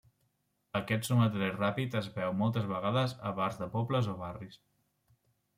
Aquest sumatori ràpid es veu moltes vegades a bars de pobles o barris.